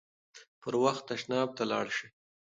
پر وخت تشناب ته لاړ شئ.